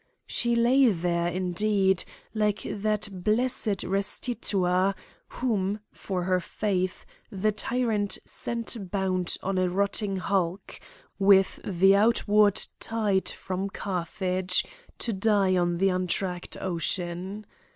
She lay there, indeed, like that blessed Restituta, whom, for her faith, the tyrant sent bound on a rotting hulk, with the outward tide from Carthage, to die on the untracked ocean.